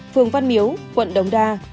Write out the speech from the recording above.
phường văn miếu quận đồng đa